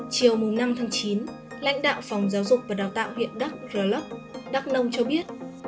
chiều năm tháng chín lãnh đạo phòng giáo dục và đào tạo huyện đắk rờ lấp đắk nông cho biết